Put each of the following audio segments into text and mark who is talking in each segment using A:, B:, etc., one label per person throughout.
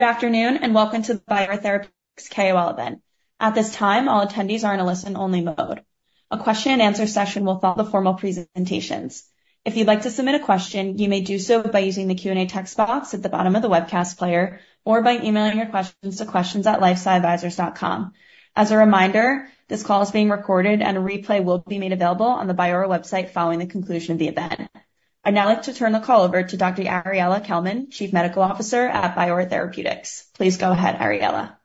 A: Good afternoon, and welcome to the Biora Therapeutics KOL event. At this time, all attendees are in a listen-only mode. A question-and-answer session will follow the formal presentations. If you'd like to submit a question, you may do so by using the Q&A text box at the bottom of the webcast player or by emailing your questions to questions@lifesciadvisors.com. As a reminder, this call is being recorded, and a replay will be made available on the Biora website following the conclusion of the event. I'd now like to turn the call over to Dr. Ariella Kelman, Chief Medical Officer at Biora Therapeutics. Please go ahead, Ariella.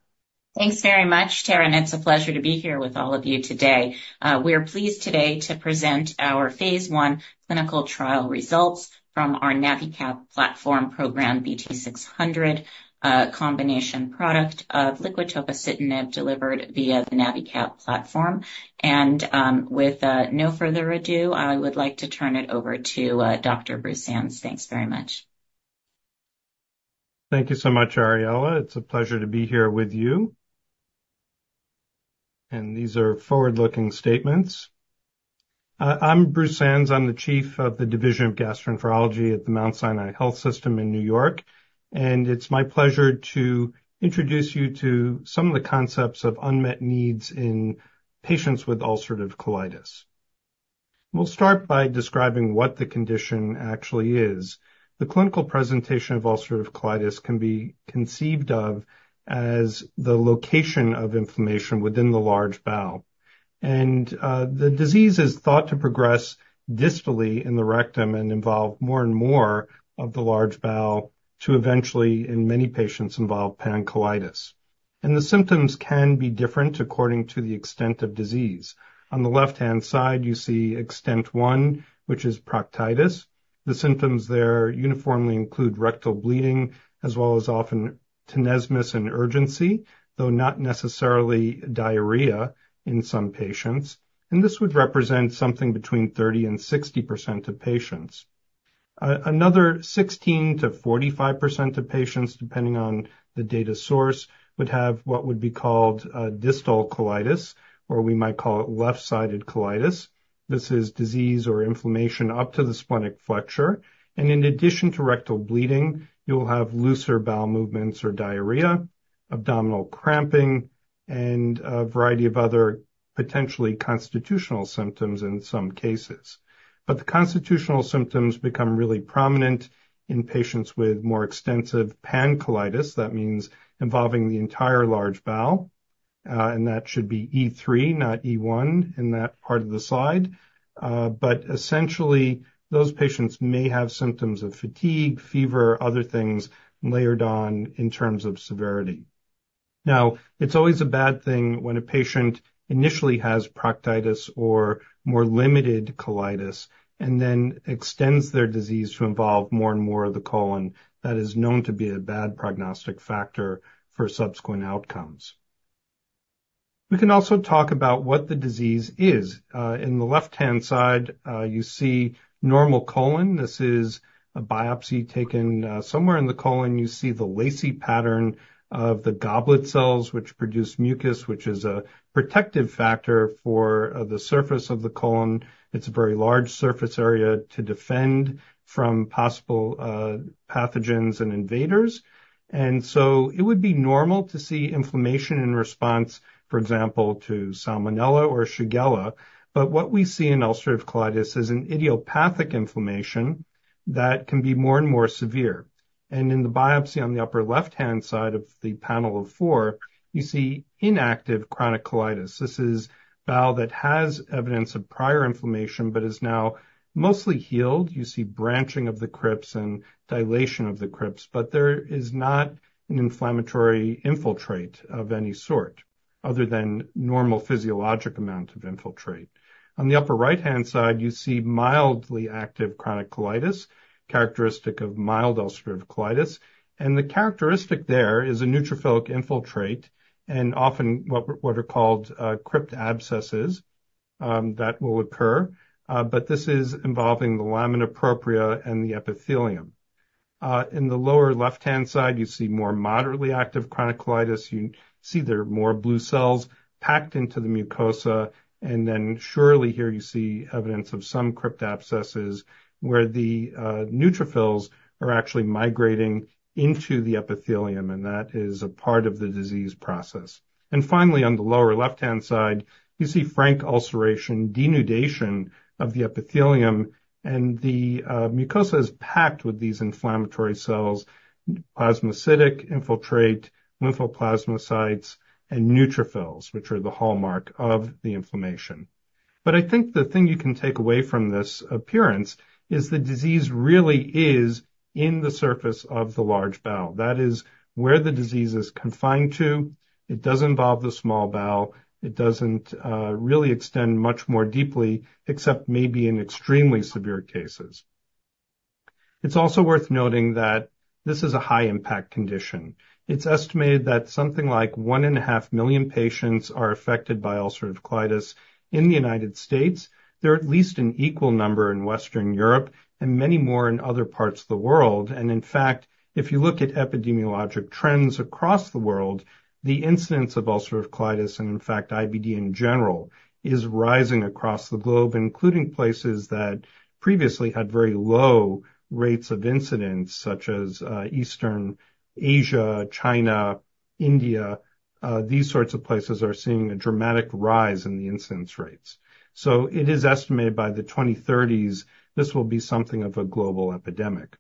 B: Thanks very much, Taryn. It's a pleasure to be here with all of you today. We are pleased today to present our phase I clinical trial results from our NaviCap platform program, BT-600, a combination product of liquid tofacitinib delivered via the NaviCap platform. With no further ado, I would like to turn it over to Dr. Bruce Sands. Thanks very much.
C: Thank you so much, Ariella. It's a pleasure to be here with you. These are forward-looking statements. I'm Bruce Sands. I'm the Chief of the Division of Gastroenterology at the Mount Sinai Health System in New York, and it's my pleasure to introduce you to some of the concepts of unmet needs in patients with ulcerative colitis. We'll start by describing what the condition actually is. The clinical presentation of ulcerative colitis can be conceived of as the location of inflammation within the large bowel. The disease is thought to progress distally in the rectum and involve more and more of the large bowel to eventually, in many patients, involve pancolitis. The symptoms can be different according to the extent of disease. On the left-hand side, you see extent one, which is proctitis. The symptoms there uniformly include rectal bleeding, as well as often tenesmus and urgency, though not necessarily diarrhea in some patients, and this would represent something between 30% and 60% of patients. Another 16%-45% of patients, depending on the data source, would have what would be called distal colitis, or we might call it left-sided colitis. This is disease or inflammation up to the splenic flexure, and in addition to rectal bleeding, you'll have looser bowel movements or diarrhea, abdominal cramping, and a variety of other potentially constitutional symptoms in some cases. But the constitutional symptoms become really prominent in patients with more extensive pancolitis. That means involving the entire large bowel, and that should be E3, not E1, in that part of the slide. Essentially, those patients may have symptoms of fatigue, fever, other things layered on in terms of severity. Now, it's always a bad thing when a patient initially has proctitis or more limited colitis and then extends their disease to involve more and more of the colon. That is known to be a bad prognostic factor for subsequent outcomes. We can also talk about what the disease is. In the left-hand side, you see normal colon. This is a biopsy taken somewhere in the colon. You see the lacy pattern of the goblet cells, which produce mucus, which is a protective factor for the surface of the colon. It's a very large surface area to defend from possible pathogens and invaders. So it would be normal to see inflammation in response, for example, to Salmonella or Shigella. But what we see in ulcerative colitis is an idiopathic inflammation that can be more and more severe. In the biopsy, on the upper left-hand side of the panel of four, you see inactive chronic colitis. This is bowel that has evidence of prior inflammation but is now mostly healed. You see branching of the crypts and dilation of the crypts, but there is not an inflammatory infiltrate of any sort other than normal physiologic amount of infiltrate. On the upper right-hand side, you see mildly active chronic colitis, characteristic of mild ulcerative colitis, and the characteristic there is a neutrophilic infiltrate and often what are called crypt abscesses that will occur, but this is involving the lamina propria and the epithelium. In the lower left-hand side, you see more moderately active chronic colitis. You see there are more blue cells packed into the mucosa, and then surely here you see evidence of some crypt abscesses, where the neutrophils are actually migrating into the epithelium, and that is a part of the disease process. And finally, on the lower left-hand side, you see frank ulceration, denudation of the epithelium, and the mucosa is packed with these inflammatory cells, plasmacytic infiltrate, lymphoplasmacytes, and neutrophils, which are the hallmark of the inflammation. But I think the thing you can take away from this appearance is the disease really is in the surface of the large bowel. That is where the disease is confined to. It doesn't involve the small bowel. It doesn't really extend much more deeply, except maybe in extremely severe cases. It's also worth noting that this is a high-impact condition. It's estimated that something like 1.5 million patients are affected by ulcerative colitis in the United States. There are at least an equal number in Western Europe and many more in other parts of the world. And in fact, if you look at epidemiologic trends across the world, the incidence of ulcerative colitis, and in fact, IBD in general, is rising across the globe, including places that previously had very low rates of incidence, such as Eastern Asia, China, India, these sorts of places are seeing a dramatic rise in the incidence rates. So it is estimated by the 2030s, this will be something of a global epidemic.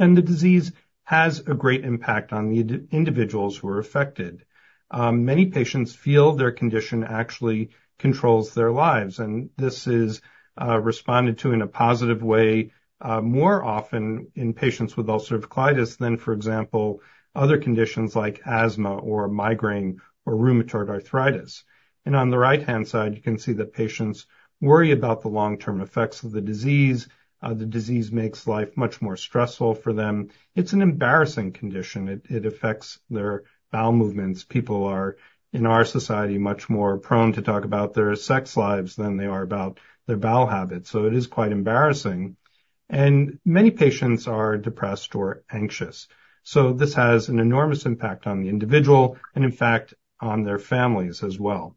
C: And the disease has a great impact on the individuals who are affected. Many patients feel their condition actually controls their lives, and this is responded to in a positive way more often in patients with ulcerative colitis than, for example, other conditions like asthma or migraine or rheumatoid arthritis. On the right-hand side, you can see that patients worry about the long-term effects of the disease. The disease makes life much more stressful for them. It's an embarrassing condition. It affects their bowel movements. People are, in our society, much more prone to talk about their sex lives than they are about their bowel habits, so it is quite embarrassing. Many patients are depressed or anxious, so this has an enormous impact on the individual and, in fact, on their families as well.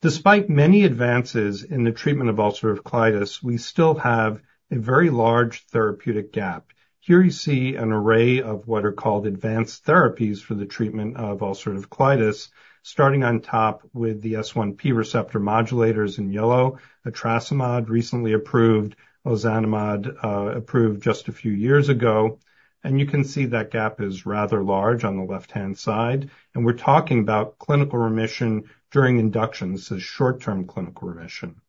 C: Despite many advances in the treatment of ulcerative colitis, we still have a very large therapeutic gap. Here you see an array of what are called advanced therapies for the treatment of ulcerative colitis, starting on top with the S1P receptor modulators in yellow. Etrasimod, recently approved, ozanimod, approved just a few years ago, and you can see that gap is rather large on the left-hand side, and we're talking about clinical remission during induction. This is short-term clinical remission.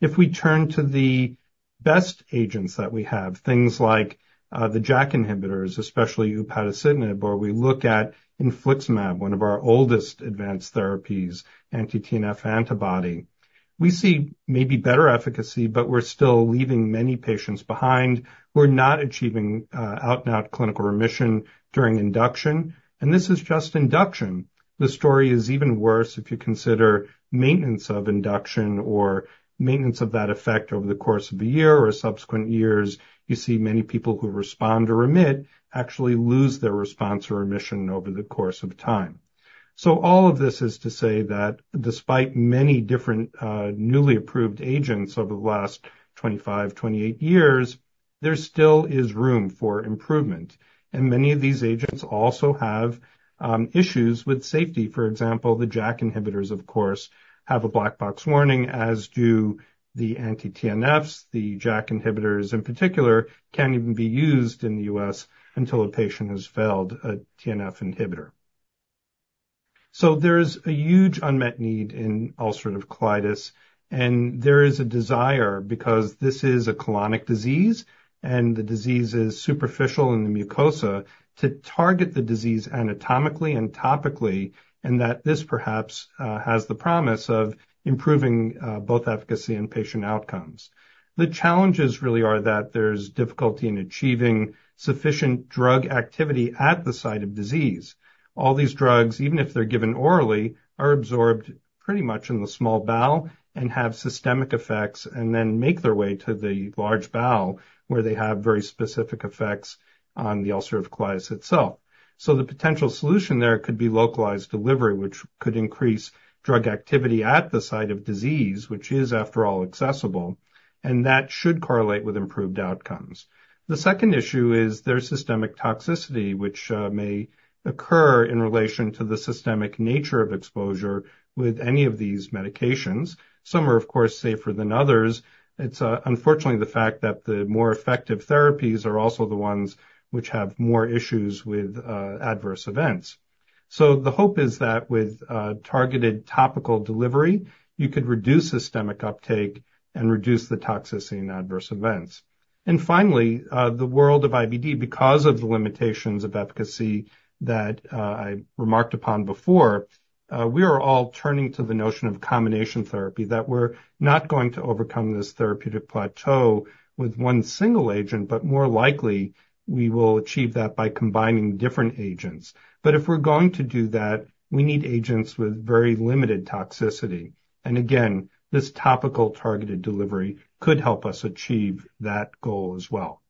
C: If we turn to the best agents that we have, things like, the JAK inhibitors, especially upadacitinib, or we look at infliximab, one of our oldest advanced therapies, anti-TNF antibody. We see maybe better efficacy, but we're still leaving many patients behind who are not achieving, out-and-out clinical remission during induction, and this is just induction. The story is even worse if you consider maintenance of induction or maintenance of that effect over the course of a year or subsequent years. You see many people who respond or remit actually lose their response or remission over the course of time. So all of this is to say that despite many different, newly approved agents over the last 25, 28 years, there still is room for improvement, and many of these agents also have, issues with safety. For example, the JAK inhibitors, of course, have a black box warning, as do the anti-TNFs. The JAK inhibitors, in particular, can't even be used in the U.S. until a patient has failed a TNF inhibitor. So there's a huge unmet need in ulcerative colitis, and there is a desire, because this is a colonic disease, and the disease is superficial in the mucosa, to target the disease anatomically and topically, and that this perhaps, has the promise of improving, both efficacy and patient outcomes. The challenges really are that there's difficulty in achieving sufficient drug activity at the site of disease. All these drugs, even if they're given orally, are absorbed pretty much in the small bowel and have systemic effects, and then make their way to the large bowel, where they have very specific effects on the ulcerative colitis itself. So the potential solution there could be localized delivery, which could increase drug activity at the site of disease, which is, after all, accessible, and that should correlate with improved outcomes. The second issue is there's systemic toxicity, which may occur in relation to the systemic nature of exposure with any of these medications. Some are, of course, safer than others. It's unfortunately, the fact that the more effective therapies are also the ones which have more issues with adverse events. So the hope is that with targeted topical delivery, you could reduce systemic uptake and reduce the toxicity and adverse events. And finally, the world of IBD, because of the limitations of efficacy that I remarked upon before, we are all turning to the notion of combination therapy, that we're not going to overcome this therapeutic plateau with one single agent, but more likely, we will achieve that by combining different agents. But if we're going to do that, we need agents with very limited toxicity. And again, this topical targeted delivery could help us achieve that goal as well.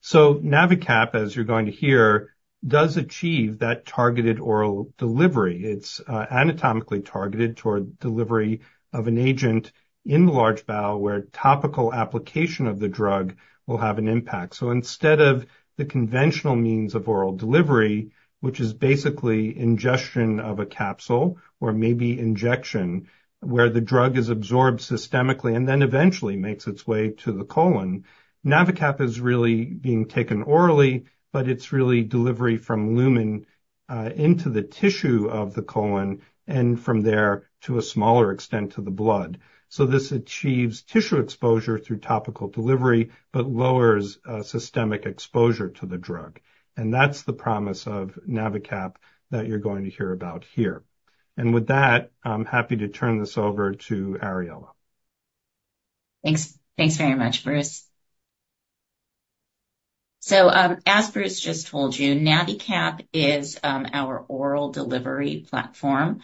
C: So NaviCap, as you're going to hear, does achieve that targeted oral delivery. It's anatomically targeted toward delivery of an agent in the large bowel, where topical application of the drug will have an impact. So instead of the conventional means of oral delivery, which is basically ingestion of a capsule or maybe injection, where the drug is absorbed systemically, and then eventually makes its way to the colon, NaviCap is really being taken orally, but it's really delivery from lumen into the tissue of the colon, and from there, to a smaller extent, to the blood. So this achieves tissue exposure through topical delivery, but lowers systemic exposure to the drug, and that's the promise of NaviCap that you're going to hear about here. And with that, I'm happy to turn this over to Ariella.
B: Thanks. Thanks very much, Bruce, As Bruce just told you, NaviCap is our oral delivery platform,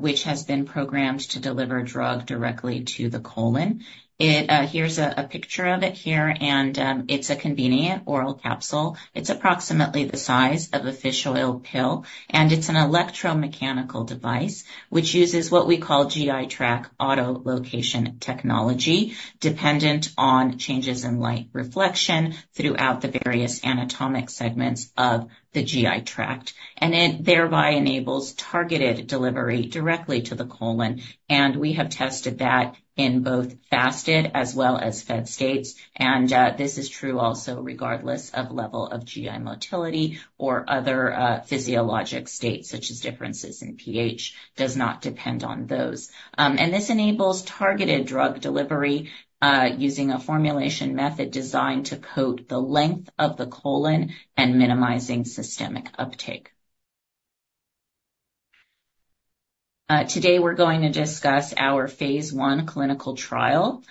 B: which has been programmed to deliver drug directly to the colon. Here's a picture of it here, and it's a convenient oral capsule. It's approximately the size of a fish oil pill, and it's an electromechanical device, which uses what we call GITrac autolocation technology, dependent on changes in light reflection throughout the various anatomic segments of the GI tract. It thereby enables targeted delivery directly to the colon, and we have tested that in both fasted as well as fed states. This is true also regardless of level of GI motility or other physiologic states, such as differences in pH. Does not depend on those. And this enables targeted drug delivery, using a formulation method designed to coat the length of the colon and minimizing systemic uptake. Today, we're going to discuss our phase I clinical trial,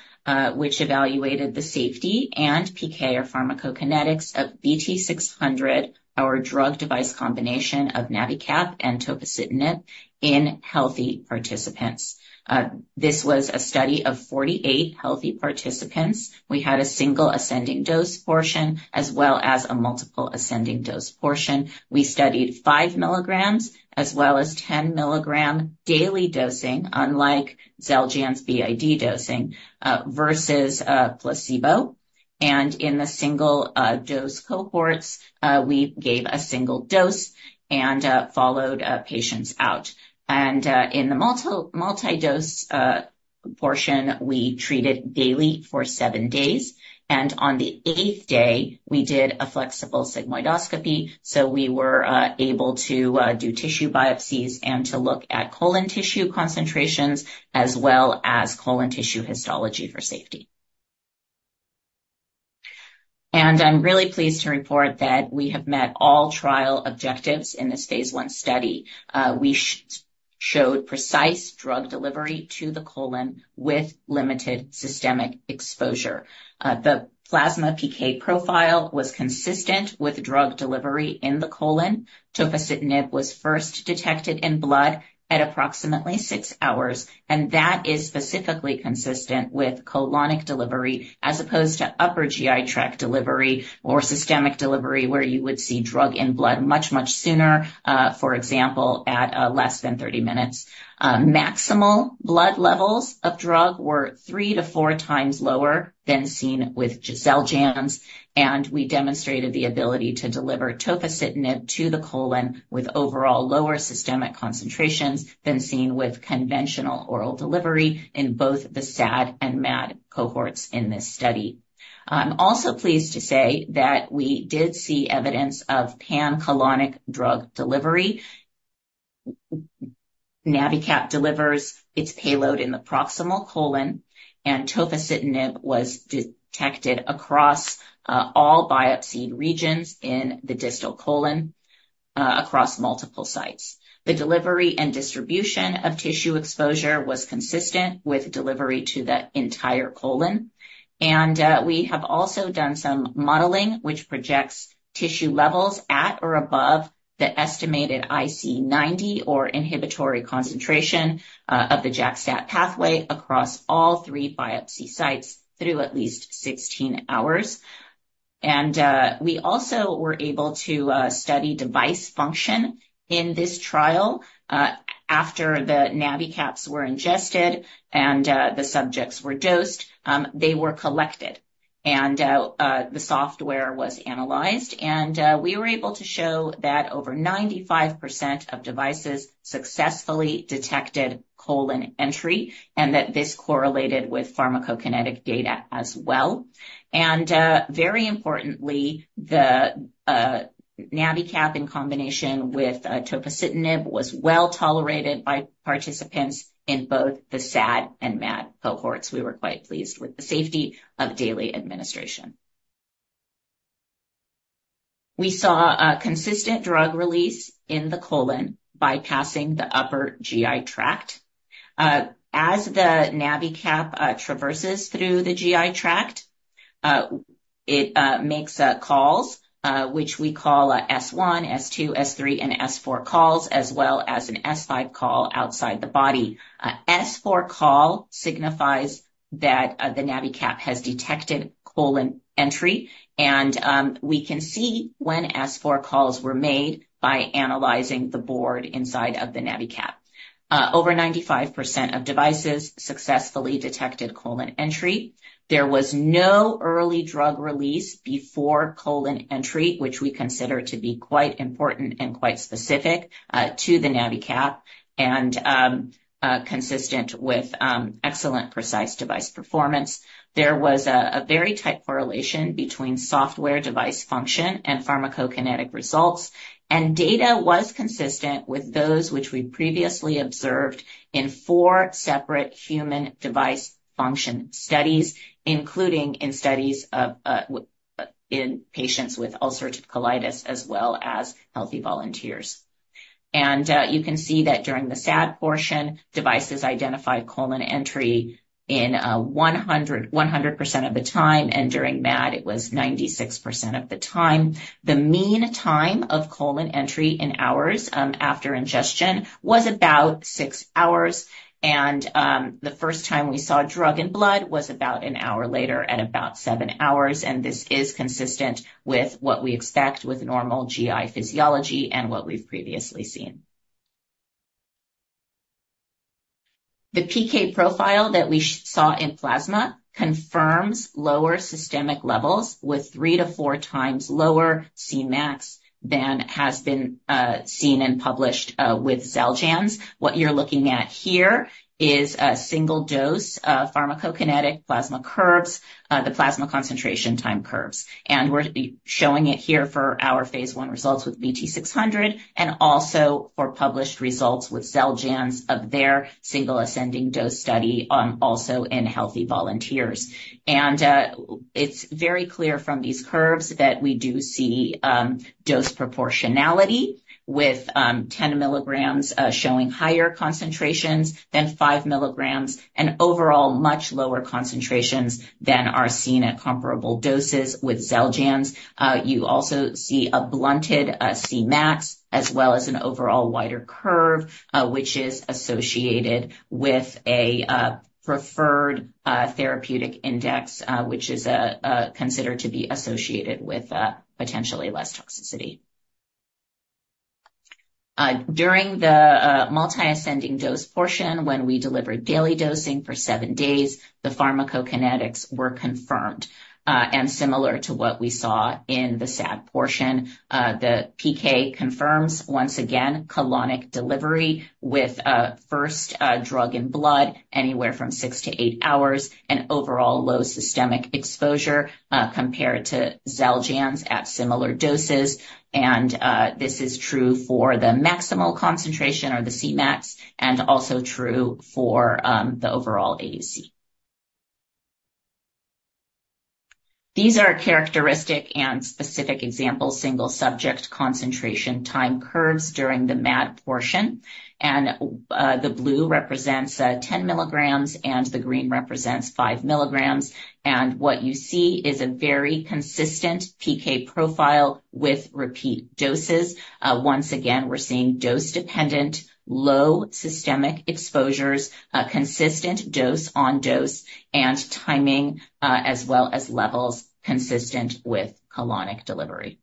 B: which evaluated the safety and PK or pharmacokinetics of BT-600, our drug device combination of NaviCap and tofacitinib in healthy participants. This was a study of 48 healthy participants. We had a single ascending dose portion as well as a multiple ascending dose portion. We studied 5 milligrams as well as 10 milligram daily dosing, unlike XELJANZ BID dosing, versus placebo. And in the single dose cohorts, we gave a single dose and followed patients out. In the multi-dose portion, we treated daily for seven days, and on the eighth day, we did a flexible sigmoidoscopy, so we were able to do tissue biopsies and to look at colon tissue concentrations as well as colon tissue histology for safety. I'm really pleased to report that we have met all trial objectives in this phase I study. We showed precise drug delivery to the colon with limited systemic exposure. The plasma PK profile was consistent with drug delivery in the colon. Tofacitinib was first detected in blood at approximately six hours, and that is specifically consistent with colonic delivery as opposed to upper GI tract delivery or systemic delivery, where you would see drug in blood much, much sooner, for example, at less than 30 minutes. Maximal blood levels of drug were three to four times lower than seen with XELJANZ, and we demonstrated the ability to deliver tofacitinib to the colon with overall lower systemic concentrations than seen with conventional oral delivery in both the SAD and MAD cohorts in this study. I'm also pleased to say that we did see evidence of pancolonic drug delivery. NaviCap delivers its payload in the proximal colon, and tofacitinib was detected across all biopsied regions in the distal colon across multiple sites. The delivery and distribution of tissue exposure was consistent with delivery to the entire colon. And, we have also done some modeling which projects tissue levels at or above the estimated IC90 or inhibitory concentration of the JAK/STAT pathway across all three biopsy sites through at least 16 hours. We also were able to study device function in this trial. After the NaviCaps were ingested and the subjects were dosed, they were collected, and the software was analyzed. We were able to show that over 95% of devices successfully detected colon entry, and that this correlated with pharmacokinetic data as well. Very importantly, the NaviCap, in combination with tofacitinib, was well tolerated by participants in both the SAD and MAD cohorts. We were quite pleased with the safety of daily administration. We saw a consistent drug release in the colon, bypassing the upper GI tract. As the NaviCap traverses through the GI tract, it makes calls, which we call S1, S2, S3, and S4 calls, as well as an S5 call outside the body. S4 call signifies that the NaviCap has detected colon entry, and we can see when S4 calls were made by analyzing the board inside of the NaviCap. Over 95% of devices successfully detected colon entry. There was no early drug release before colon entry, which we consider to be quite important and quite specific to the NaviCap and consistent with excellent, precise device performance. There was a very tight correlation between software device function and pharmacokinetic results, and data was consistent with those which we previously observed in four separate human device function studies, including in studies of in patients with ulcerative colitis as well as healthy volunteers. You can see that during the SAD portion, devices identified colon entry in 100% of the time, and during MAD, it was 96% of the time. The mean time of colon entry in hours after ingestion was about six hours, and the first time we saw drug and blood was about an hour later at about seven hours, and this is consistent with what we expect with normal GI physiology and what we've previously seen. The PK profile that we saw in plasma confirms lower systemic levels with three to four times lower Cmax than has been seen and published with XELJANZ. What you're looking at here is a single dose of pharmacokinetic plasma curves, the plasma concentration time curves, and we're showing it here for our phase I results with BT-600, and also for published results with XELJANZ of their single ascending dose study, also in healthy volunteers. It's very clear from these curves that we do see dose proportionality with 10 milligrams showing higher concentrations than five milligrams, and overall much lower concentrations than are seen at comparable doses with XELJANZ. You also see a blunted Cmax, as well as an overall wider curve, which is associated with a preferred therapeutic index, which is considered to be associated with potentially less toxicity. During the multi-ascending dose portion, when we delivered daily dosing for seven days, the pharmacokinetics were confirmed. And similar to what we saw in the SAD portion, the PK confirms, once again, colonic delivery with first drug in blood anywhere from six to eight hours, and overall low systemic exposure, compared to XELJANZ at similar doses. And this is true for the maximal concentration, or the Cmax, and also true for the overall AUC. These are characteristic and specific example, single-subject concentration time curves during the MAD portion, and the blue represents 10 milligrams, and the green represents five milligrams. And what you see is a very consistent PK profile with repeat doses. Once again, we're seeing dose-dependent, low systemic exposures, consistent dose on dose and timing, as well as levels consistent with colonic delivery.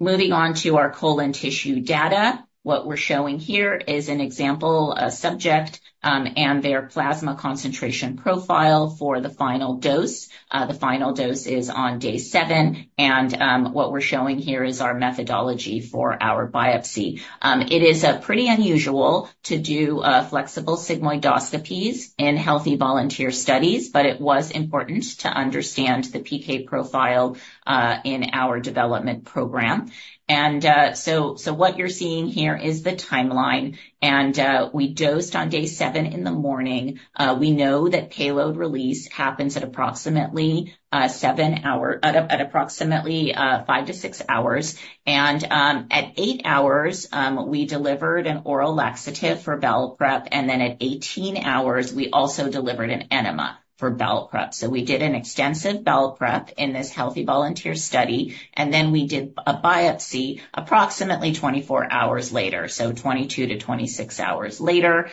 B: Moving on to our colon tissue data. What we're showing here is an example, a subject, and their plasma concentration profile for the final dose. The final dose is on day seven, and what we're showing here is our methodology for our biopsy. It is pretty unusual to do flexible sigmoidoscopies in healthy volunteer studies, but it was important to understand the PK profile in our development program. So what you're seeing here is the timeline, and we dosed on day seven in the morning. We know that payload release happens at approximately five to six hours. At eight hours, we delivered an oral laxative for bowel prep, and then at 18 hours, we also delivered an enema for bowel prep. So we did an extensive bowel prep in this healthy volunteer study, and then we did a biopsy approximately 24 hours later, so 22-26 hours later,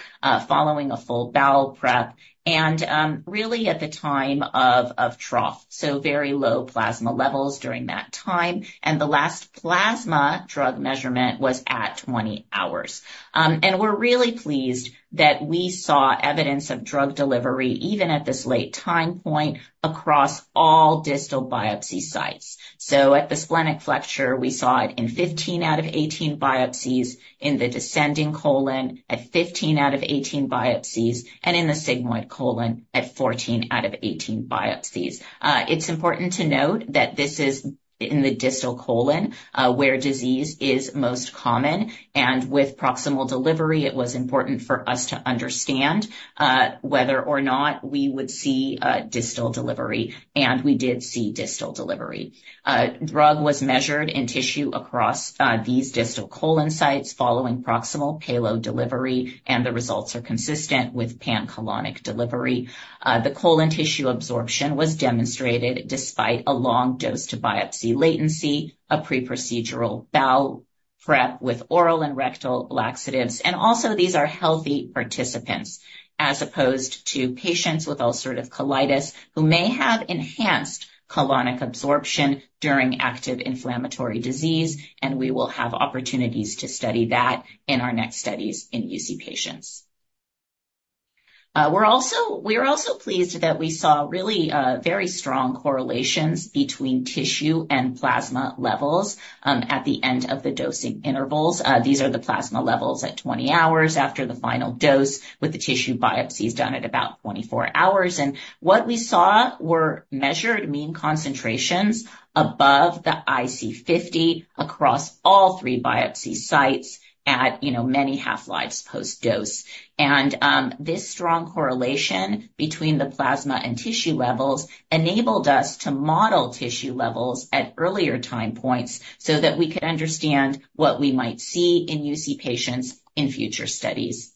B: following a full bowel prep, and really at the time of trough, so very low plasma levels during that time. The last plasma drug measurement was at 20 hours. We're really pleased that we saw evidence of drug delivery, even at this late time point, across all distal biopsy sites. At the splenic flexure, we saw it in 15 out of 18 biopsies, in the descending colon at 15 out of 18 biopsies, and in the sigmoid colon at 14 out of 18 biopsies. It's important to note that this is in the distal colon, where disease is most common. With proximal delivery, it was important for us to understand whether or not we would see distal delivery, and we did see distal delivery. Drug was measured in tissue across these distal colon sites following proximal payload delivery, and the results are consistent with pancolonic delivery. The colon tissue absorption was demonstrated despite a long dose to biopsy latency, a pre-procedural bowel prep with oral and rectal laxatives. And also, these are healthy participants, as opposed to patients with ulcerative colitis, who may have enhanced colonic absorption during active inflammatory disease, and we will have opportunities to study that in our next studies in UC patients. We're also pleased that we saw really, very strong correlations between tissue and plasma levels at the end of the dosing intervals. These are the plasma levels at 20 hours after the final dose, with the tissue biopsies done at about 24 hours. And what we saw were measured mean concentrations above the IC50 across all three biopsy sites at, you know, many half-lives post-dose. This strong correlation between the plasma and tissue levels enabled us to model tissue levels at earlier time points so that we could understand what we might see in UC patients in future studies.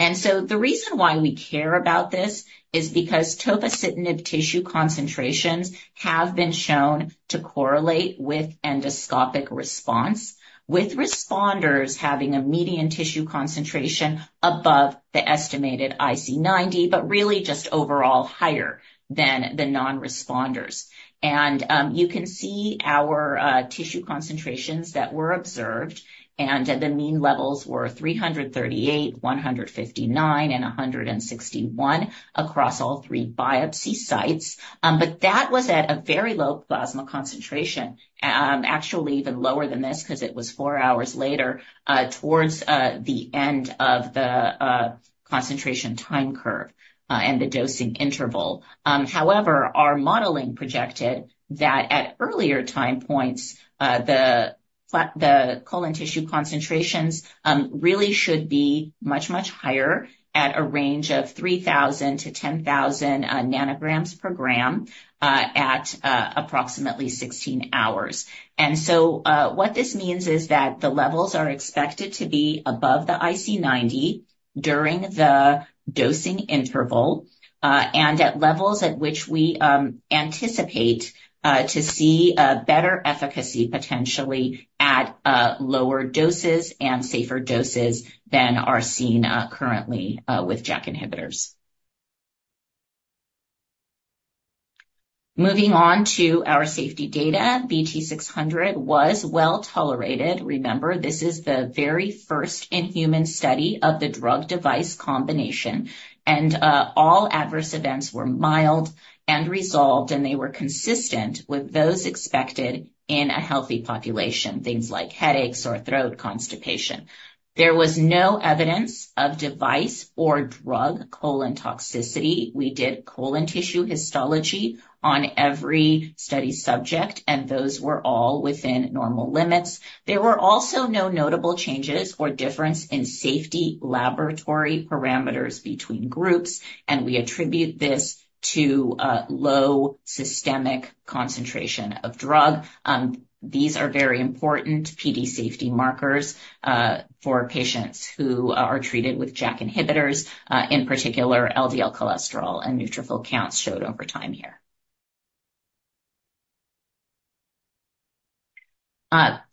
B: And so the reason why we care about this is because tofacitinib tissue concentrations have been shown to correlate with endoscopic response, with responders having a median tissue concentration above the estimated IC90, but really just overall higher than the non-responders. And you can see our tissue concentrations that were observed, and the mean levels were 338, 159, and 161 across all three biopsy sites. But that was at a very low plasma concentration, actually even lower than this, 'cause it was four hours later, towards the end of the concentration time curve, and the dosing interval. However, our modeling projected that at earlier time points, the colon tissue concentrations really should be much, much higher at a range of 3,000-10,000 nanograms per gram at approximately 16 hours. So, what this means is that the levels are expected to be above the IC90 during the dosing interval, and at levels at which we anticipate to see a better efficacy, potentially, at lower doses and safer doses than are seen currently with JAK inhibitors. Moving on to our safety data, BT-600 was well tolerated. Remember, this is the very first in-human study of the drug device combination, and all adverse events were mild and resolved, and they were consistent with those expected in a healthy population, things like headaches, sore throat, constipation. There was no evidence of device or drug colon toxicity. We did colon tissue histology on every study subject, and those were all within normal limits. There were also no notable changes or difference in safety laboratory parameters between groups, and we attribute this to low systemic concentration of drug. These are very important PD safety markers for patients who are treated with JAK inhibitors, in particular, LDL cholesterol and neutrophil counts showed over time here.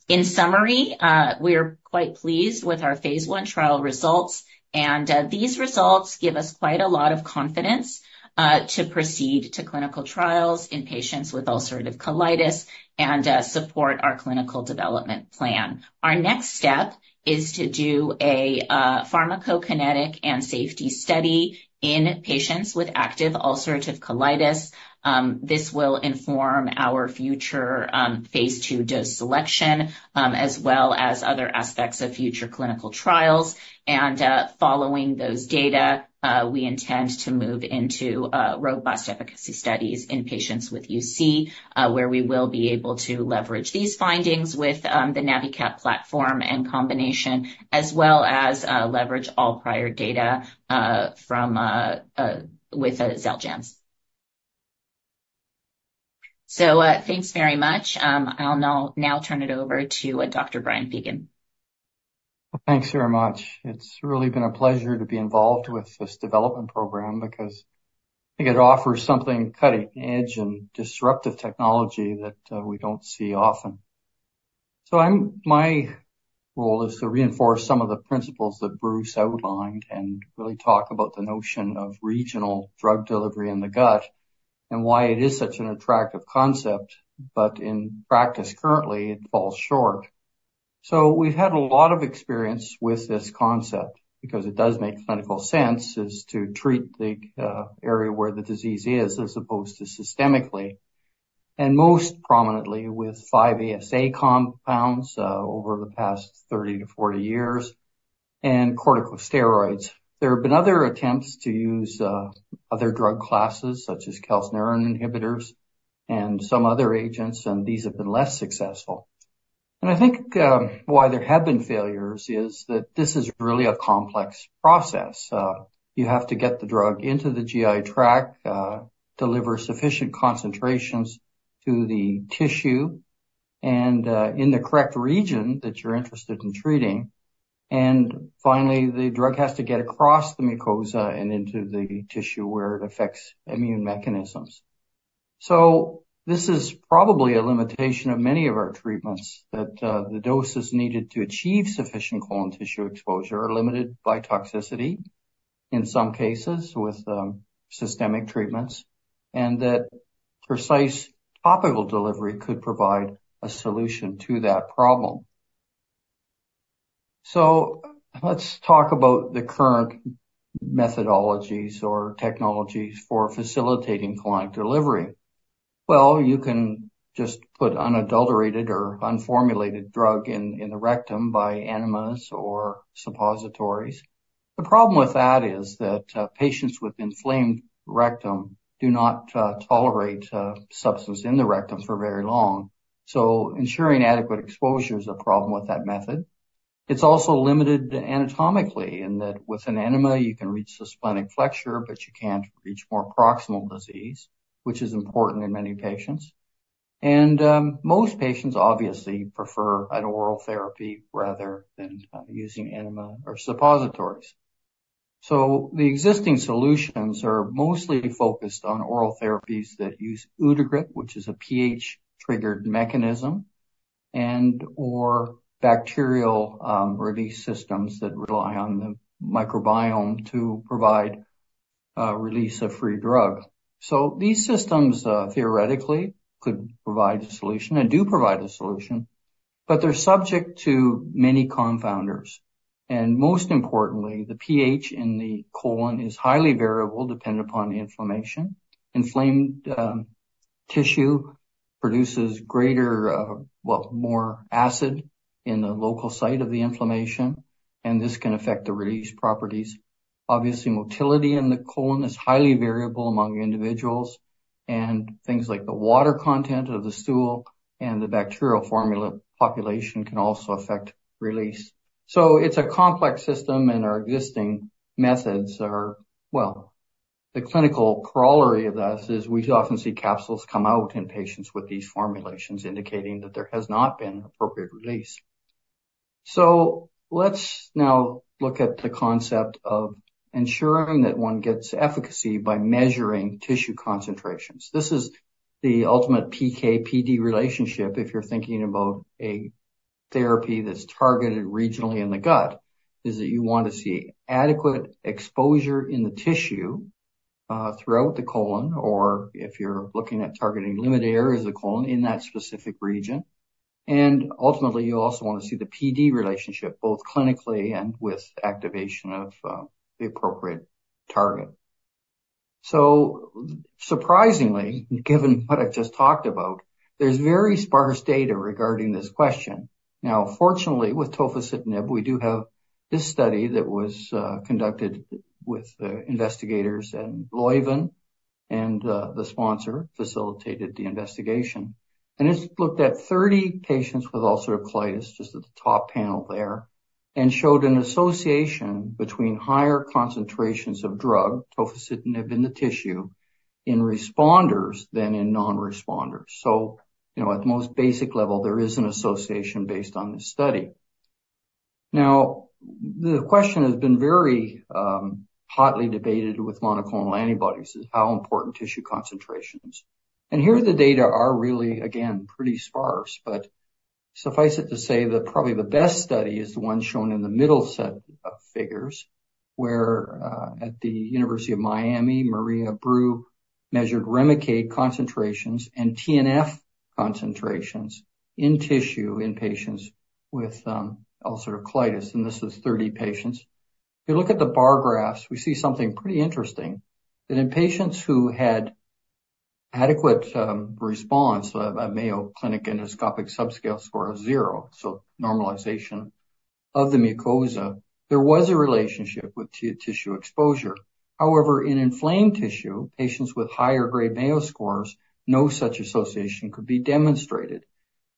B: In summary, we are quite pleased with our phase I trial results, and these results give us quite a lot of confidence to proceed to clinical trials in patients with ulcerative colitis, and support our clinical development plan. Our next step is to do a pharmacokinetic and safety study in patients with active ulcerative colitis. This will inform our future phase II dose selection as well as other aspects of future clinical trials. Following those data, we intend to move into robust efficacy studies in patients with UC, where we will be able to leverage these findings with the NaviCap platform and combination, as well as leverage all prior data from with XELJANZ. Thanks very much. I'll now turn it over to Dr. Brian Feagan.
D: Well, thanks very much. It's really been a pleasure to be involved with this development program, because I think it offers something cutting edge and disruptive technology that we don't see often. So my role is to reinforce some of the principles that Bruce outlined, and really talk about the notion of regional drug delivery in the gut, and why it is such an attractive concept, but in practice, currently it falls short. So we've had a lot of experience with this concept, because it does make clinical sense, is to treat the area where the disease is, as opposed to systemically, and most prominently with 5-ASA compounds over the past 30-40 years, and corticosteroids. There have been other attempts to use other drug classes, such as calcineurin inhibitors and some other agents, and these have been less successful. I think why there have been failures is that this is really a complex process. You have to get the drug into the GI tract, deliver sufficient concentrations to the tissue, and in the correct region that you're interested in treating. And finally, the drug has to get across the mucosa and into the tissue where it affects immune mechanisms. So this is probably a limitation of many of our treatments, that the doses needed to achieve sufficient colon tissue exposure are limited by toxicity, in some cases with systemic treatments, and that precise topical delivery could provide a solution to that problem. So let's talk about the current methodologies or technologies for facilitating colonic delivery. Well, you can just put unadulterated or unformulated drug in the rectum by enemas or suppositories. The problem with that is that patients with inflamed rectum do not tolerate substance in the rectum for very long, so ensuring adequate exposure is a problem with that method. It's also limited anatomically, in that with an enema, you can reach the splenic flexure, but you can't reach more proximal disease, which is important in many patients. And most patients obviously prefer an oral therapy rather than using enema or suppositories. So the existing solutions are mostly focused on oral therapies that use Eudragit, which is a pH-triggered mechanism, and/or bacterial release systems that rely on the microbiome to provide release of free drug. So these systems theoretically could provide a solution and do provide a solution, but they're subject to many confounders. And most importantly, the pH in the colon is highly variable, dependent upon inflammation. Inflamed tissue produces greater, well, more acid in the local site of the inflammation, and this can affect the release properties. Obviously, motility in the colon is highly variable among individuals, and things like the water content of the stool and the bacterial population can also affect release. So it's a complex system, and our existing methods are... Well, the clinical corollary of this is we often see capsules come out in patients with these formulations, indicating that there has not been appropriate release. So let's now look at the concept of ensuring that one gets efficacy by measuring tissue concentrations. This is the ultimate PK/PD relationship, if you're thinking about a therapy that's targeted regionally in the gut, is that you want to see adequate exposure in the tissue, throughout the colon, or if you're looking at targeting limited areas of the colon in that specific region. And ultimately, you also want to see the PD relationship, both clinically and with activation of the appropriate target. So surprisingly, given what I've just talked about, there's very sparse data regarding this question. Now, fortunately, with tofacitinib, we do have this study that was conducted with investigators in Leuven, and the sponsor facilitated the investigation. And it's looked at 30 patients with ulcerative colitis, just at the top panel there, and showed an association between higher concentrations of drug, tofacitinib, in the tissue, in responders than in non-responders. So, you know, at the most basic level, there is an association based on this study. Now, the question has been very hotly debated with monoclonal antibodies, is how important tissue concentration is. And here, the data are really, again, pretty sparse. But suffice it to say that probably the best study is the one shown in the middle set of figures, where, at the University of Miami, Maria Abreu measured REMICADE concentrations and TNF concentrations in tissue in patients with, ulcerative colitis, and this is 30 patients. If you look at the bar graphs, we see something pretty interesting, that in patients who had adequate, response, so a Mayo Clinic endoscopic subscale score of 0, so normalization of the mucosa, there was a relationship with tissue exposure. However, in inflamed tissue, patients with higher-grade Mayo scores, no such association could be demonstrated.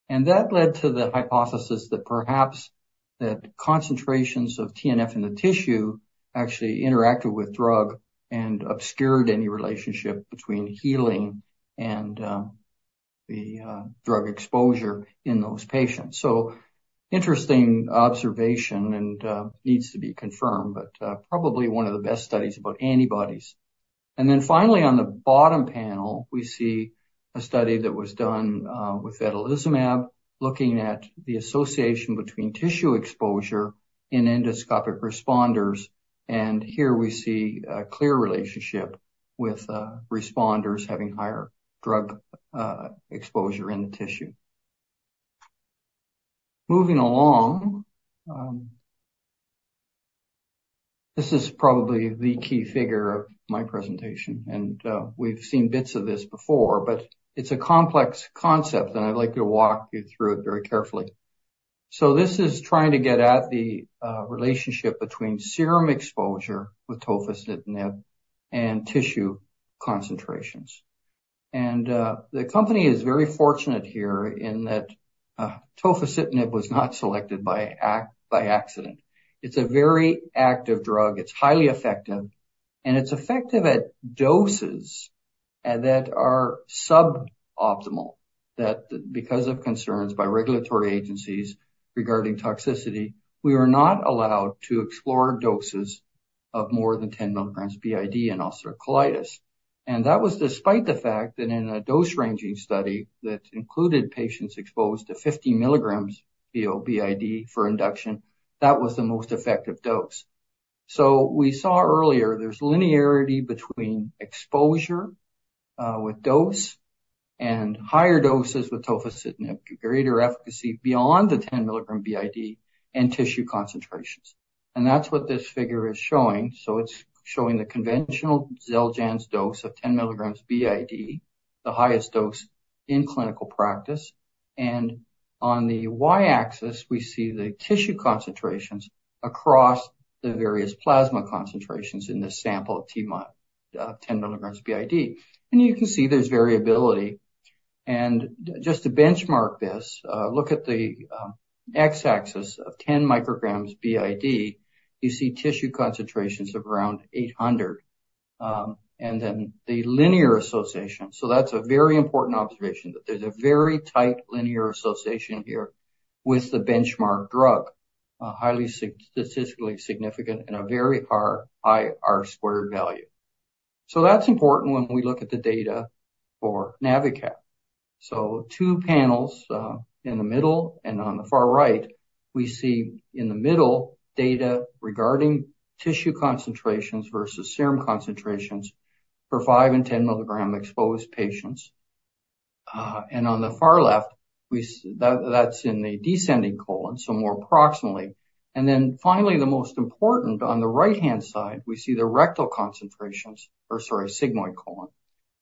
D: That led to the hypothesis that perhaps the concentrations of TNF in the tissue actually interacted with drug and obscured any relationship between healing and the drug exposure in those patients. Interesting observation and needs to be confirmed, but probably one of the best studies about antibodies. Then, finally, on the bottom panel, we see a study that was done with adalimumab, looking at the association between tissue exposure in endoscopic responders. Here, we see a clear relationship with responders having higher drug exposure in the tissue. Moving along, this is probably the key figure of my presentation, and we've seen bits of this before, but it's a complex concept, and I'd like to walk you through it very carefully. So this is trying to get at the, relationship between serum exposure with tofacitinib and tissue concentrations. And, the company is very fortunate here in that tofacitinib was not selected by ac- by accident. It's a very active drug. It's highly effective, and it's effective at doses that are suboptimal. That because of concerns by regulatory agencies regarding toxicity, we were not allowed to explore doses of more than 10 milligrams BID in ulcerative colitis. And that was despite the fact that in a dose-ranging study that included patients exposed to 50 milligrams PO BID for induction, that was the most effective dose. So we saw earlier, there's linearity between exposure, with dose and higher doses with tofacitinib, greater efficacy beyond the 10 milligram BID in tissue concentrations. And that's what this figure is showing. So it's showing the conventional XELJANZ dose of 10 milligrams BID, the highest dose in clinical practice. On the Y-axis, we see the tissue concentrations across the various plasma concentrations in this sample of 10 milligrams BID. You can see there's variability. Just to benchmark this, look at the X-axis of 10 micrograms BID, you see tissue concentrations of around 800, and then the linear association. So that's a very important observation, that there's a very tight linear association here with the benchmark drug, highly statistically significant and a very high R squared value. So that's important when we look at the data for NaviCap. So, two panels in the middle and on the far right, we see in the middle data regarding tissue concentrations versus serum concentrations for five and 10 milligram exposed patients. And on the far left, we see that, that's in the descending colon, so more proximally. And then finally, the most important, on the right-hand side, we see the rectal concentrations or, sorry, sigmoid colon,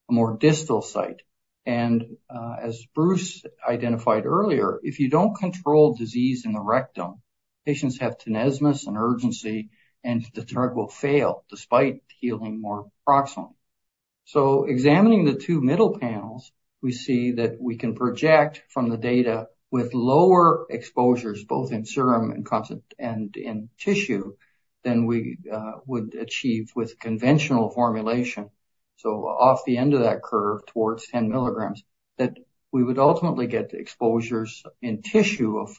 D: a more distal site. And, as Bruce identified earlier, if you don't control disease in the rectum, patients have tenesmus and urgency, and the drug will fail despite healing more proximally. So examining the two middle panels, we see that we can project from the data with lower exposures, both in serum and concentration and in tissue, than we would achieve with conventional formulation. So off the end of that curve, towards 10 milligrams, that we would ultimately get the exposures in tissue of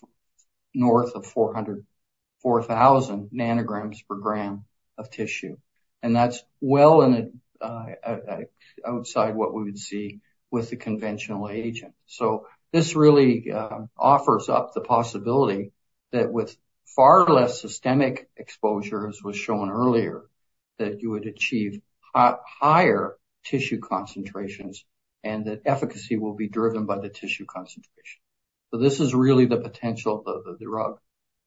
D: north of 400... 4,000 nanograms per gram of tissue. And that's well in a, outside what we would see with the conventional agent. So this really offers up the possibility that with far less systemic exposure, as was shown earlier, that you would achieve higher tissue concentrations, and that efficacy will be driven by the tissue concentration. So this is really the potential of the drug.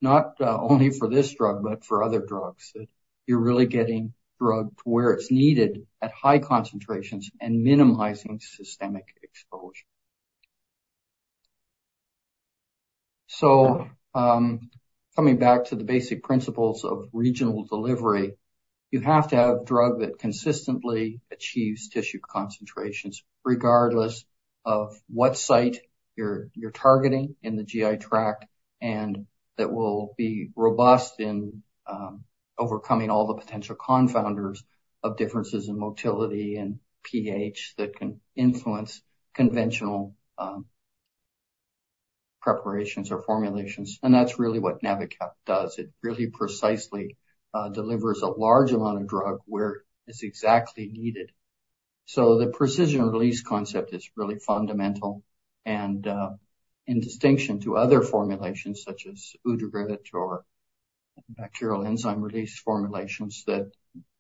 D: Not only for this drug, but for other drugs, that you're really getting drug to where it's needed at high concentrations and minimizing systemic exposure. So coming back to the basic principles of regional delivery, you have to have a drug that consistently achieves tissue concentrations, regardless of what site you're targeting in the GI tract. And that will be robust in overcoming all the potential confounders of differences in motility and pH, that can influence conventional preparations or formulations. And that's really what NaviCap does. It really precisely delivers a large amount of drug where it's exactly needed. So the precision release concept is really fundamental and, in distinction to other formulations, such as Eudragit or bacterial enzyme release formulations, that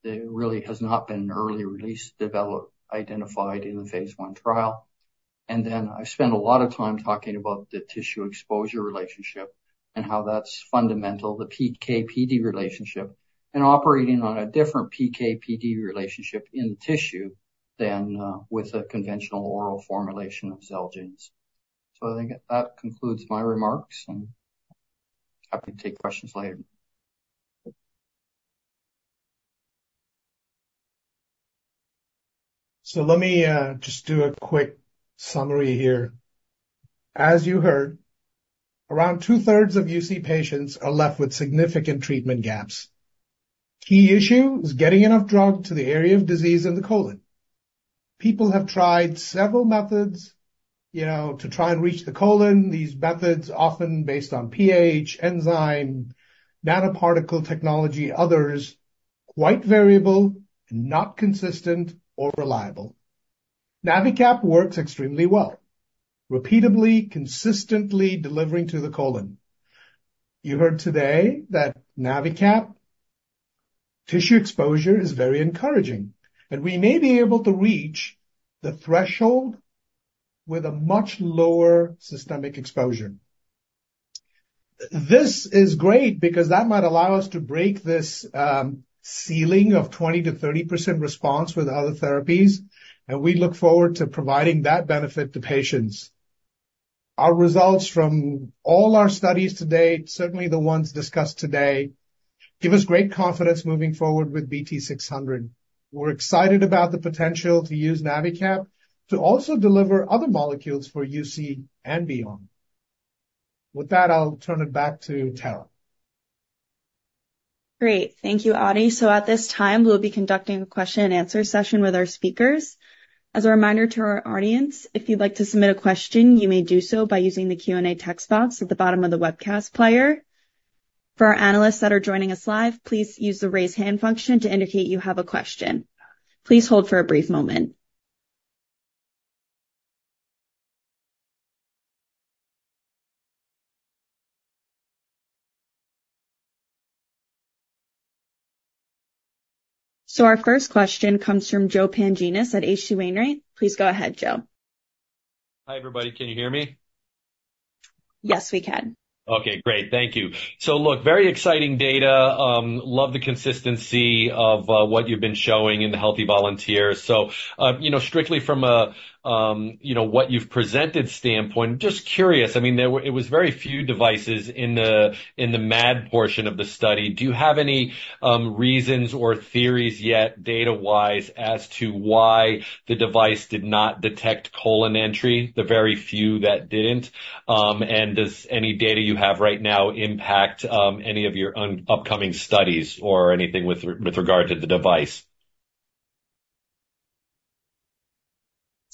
D: there really has not been an early release identified in the phase I trial. And then I spent a lot of time talking about the tissue exposure relationship and how that's fundamental, the PK/PD relationship, and operating on a different PK/PD relationship in the tissue than with a conventional oral formulation of XELJANZ. So I think that concludes my remarks, and happy to take questions later.
E: So let me just do a quick summary here. As you heard, around two-thirds of UC patients are left with significant treatment gaps. Key issue is getting enough drug to the area of disease in the colon. People have tried several methods, you know, to try and reach the colon. These methods, often based on pH, enzyme, nanoparticle technology, others, quite variable and not consistent or reliable. NaviCap works extremely well, repeatedly, consistently delivering to the colon. You heard today that NaviCap tissue exposure is very encouraging, and we may be able to reach the threshold with a much lower systemic exposure. This is great because that might allow us to break this ceiling of 20%-30% response with other therapies, and we look forward to providing that benefit to patients. Our results from all our studies to date, certainly the ones discussed today, give us great confidence moving forward with BT-600. We're excited about the potential to use NaviCap to also deliver other molecules for UC and beyond. With that, I'll turn it back to Taryn.
A: Great. Thank you, Adi. So at this time, we'll be conducting a question-and-answer session with our speakers. As a reminder to our audience, if you'd like to submit a question, you may do so by using the Q&A text box at the bottom of the webcast player. For our analysts that are joining us live, please use the raise hand function to indicate you have a question. Please hold for a brief moment. So our first question comes from Joe Pantginis at H.C. Wainwright. Please go ahead, Joe.
F: Hi, everybody. Can you hear me?
A: Yes, we can.
F: Okay, great. Thank you. So look, very exciting data. Love the consistency of what you've been showing in the healthy volunteers. So you know, strictly from a you know, what you've presented standpoint, just curious, I mean, it was very few devices in the MAD portion of the study. Do you have any reasons or theories yet, data-wise, as to why the device did not detect colon entry, the very few that didn't? And does any data you have right now impact any of your upcoming studies or anything with regard to the device?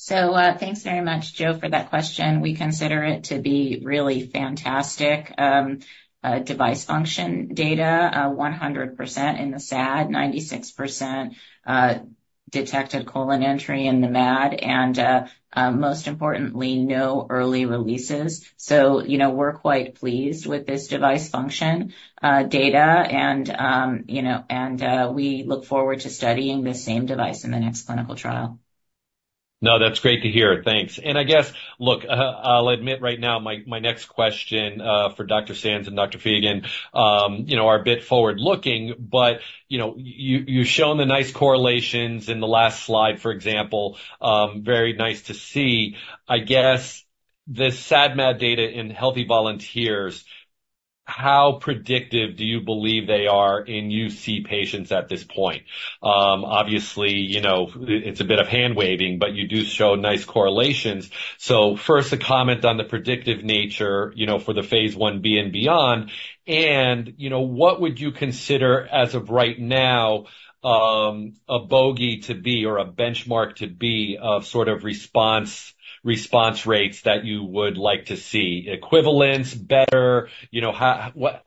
B: So, thanks very much, Joe, for that question. We consider it to be really fantastic. Device function data, 100% in the SAD, 96% detected colon entry in the MAD, and, most importantly, no early releases. So, you know, we're quite pleased with this device function data, and, you know, and, we look forward to studying the same device in the next clinical trial.
F: No, that's great to hear. Thanks. And I guess, look, I'll admit right now, my next question for Dr. Sands and Dr. Feagan, you know, are a bit forward-looking, but, you know, you've shown the nice correlations in the last slide, for example, very nice to see. I guess, this SAD/MAD data in healthy volunteers, how predictive do you believe they are in UC patients at this point? Obviously, you know, it's a bit of hand-waving, but you do show nice correlations. So first, a comment on the predictive nature, you know, for the phase Ib and beyond, and, you know, what would you consider, as of right now, a bogey to be, or a benchmark to be, of sort of response, response rates that you would like to see? Equivalence, better, you know,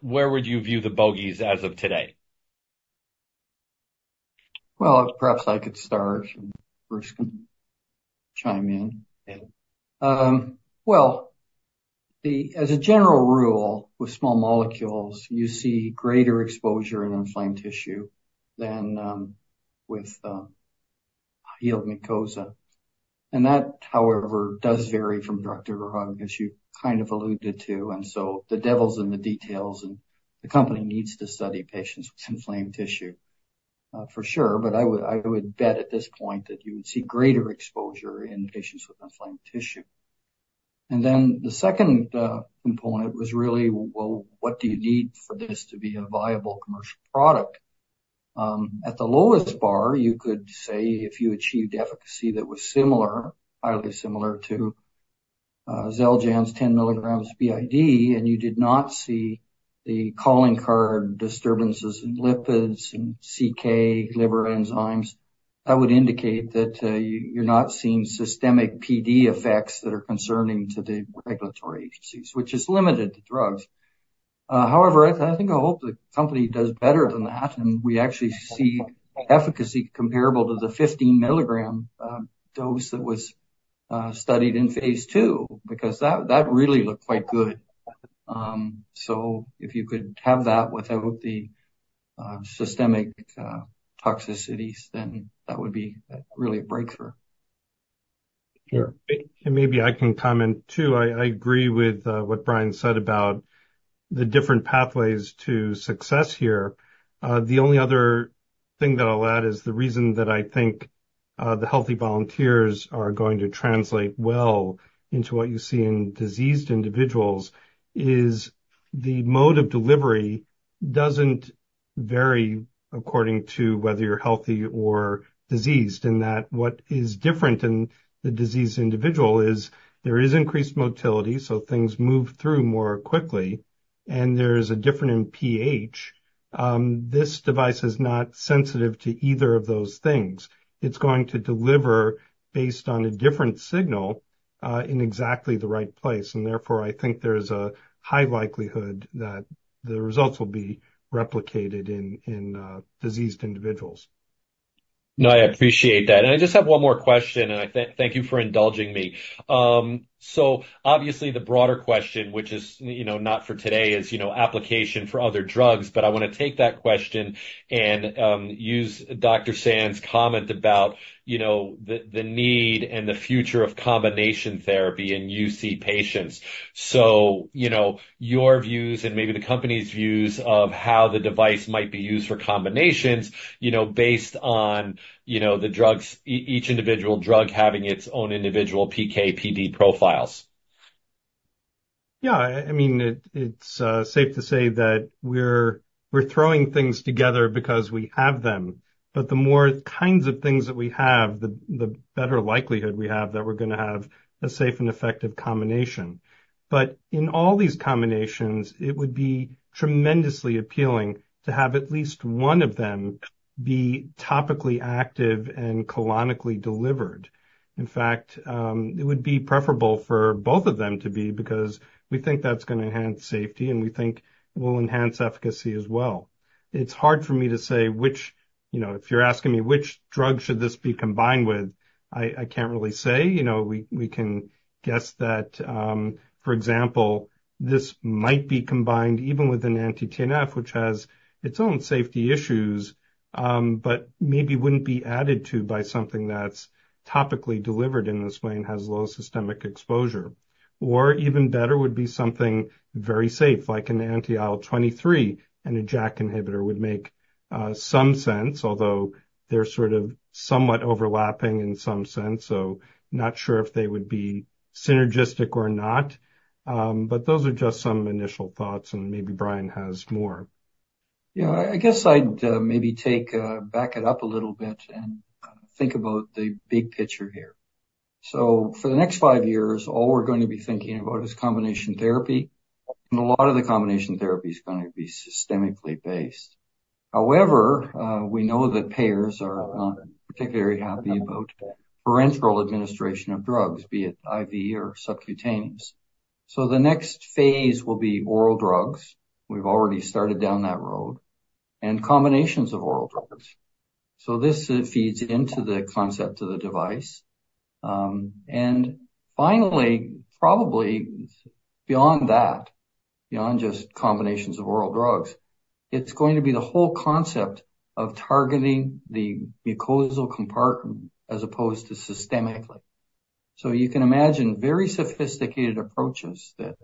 F: where would you view the bogeys as of today?
D: Well, perhaps I could start, and Bruce can chime in. Well, as a general rule, with small molecules, you see greater exposure in inflamed tissue than with healed mucosa. And that, however, does vary from drug to drug, as you kind of alluded to, and so the devil's in the details, and the company needs to study patients with inflamed tissue, for sure. But I would bet, at this point, that you would see greater exposure in patients with inflamed tissue. And then the second component was really, well, what do you need for this to be a viable commercial product? At the lowest bar, you could say if you achieved efficacy that was similar, highly similar to XELJANZ 10 milligrams BID, and you did not see the calling card disturbances in lipids and CK liver enzymes, that would indicate that you're not seeing systemic PD effects that are concerning to the regulatory agencies, which is limited to drugs. However, I think, I hope the company does better than that, and we actually see efficacy comparable to the 15 milligram dose that was studied in phase II, because that really looked quite good. So if you could have that without the systemic toxicities, then that would be really a breakthrough.
F: Sure.
C: And maybe I can comment, too. I agree with what Brian said about the different pathways to success here. The only other thing that I'll add is, the reason that I think the healthy volunteers are going to translate well into what you see in diseased individuals is, the mode of delivery doesn't vary according to whether you're healthy or diseased, in that what is different in the diseased individual is there is increased motility, so things move through more quickly, and there is a difference in pH. This device is not sensitive to either of those things. It's going to deliver based on a different signal in exactly the right place, and therefore, I think there's a high likelihood that the results will be replicated in diseased individuals.
F: No, I appreciate that. And I just have one more question, and I thank you for indulging me. So obviously, the broader question, which is, you know, not for today, is, you know, application for other drugs, but I want to take that question and use Dr. Sands' comment about, you know, the need and the future of combination therapy in UC patients. So, you know, your views, and maybe the company's views, of how the device might be used for combinations, you know, based on, you know, the drugs, each individual drug having its own individual PK/PD profiles.
C: Yeah. I mean, it's safe to say that we're throwing things together because we have them. But the more kinds of things that we have, the better likelihood we have that we're going to have a safe and effective combination. But in all these combinations, it would be tremendously appealing to have at least one of them be topically active and colonically delivered. In fact, it would be preferable for both of them to be, because we think that's going to enhance safety, and we think it will enhance efficacy as well. It's hard for me to say which. You know, if you're asking me which drug should this be combined with, I can't really say. You know, we can guess that, for example, this might be combined even with an anti-TNF, which has its own safety issues, but maybe wouldn't be added to by something that's topically delivered in this way and has low systemic exposure. Or even better would be something very safe, like an anti-IL-23 and a JAK inhibitor would make some sense, although they're sort of somewhat overlapping in some sense, so not sure if they would be synergistic or not. But those are just some initial thoughts, and maybe Brian has more.
D: Yeah. I guess I'd maybe take back it up a little bit and think about the big picture here. So for the next five years, all we're going to be thinking about is combination therapy.... And a lot of the combination therapy is going to be systemically based. However, we know that payers are not particularly happy about parenteral administration of drugs, be it IV or subcutaneous. So the next phase will be oral drugs. We've already started down that road, and combinations of oral drugs. So this feeds into the concept of the device. And finally, probably beyond that, beyond just combinations of oral drugs, it's going to be the whole concept of targeting the mucosal compartment as opposed to systemically. You can imagine very sophisticated approaches that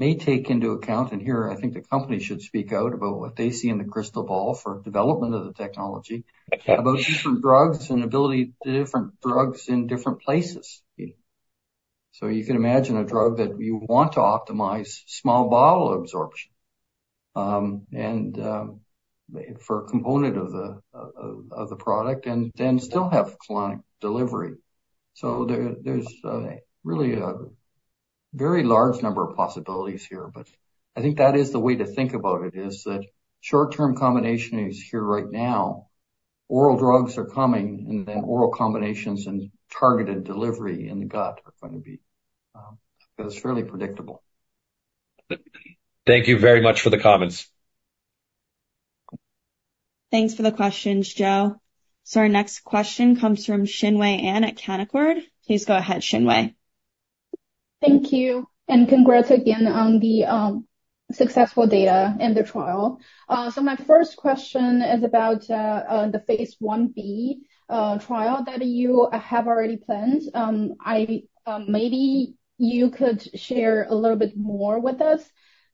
D: may take into account, and here I think the company should speak out about what they see in the crystal ball for development of the technology, about different drugs and ability to different drugs in different places. You can imagine a drug that you want to optimize small bowel absorption, and for a component of the product, and then still have colonic delivery. There's really a very large number of possibilities here, but I think that is the way to think about it is that short-term combination is here right now. Oral drugs are coming, and then oral combinations and targeted delivery in the gut are going to be, it's fairly predictable.
F: Thank you very much for the comments.
A: Thanks for the questions, Joe. So our next question comes from Xinwei An at Canaccord. Please go ahead, Xinwei.
G: Thank you, and congrats again on the successful data in the trial. So my first question is about the phase Ib trial that you have already planned. I maybe you could share a little bit more with us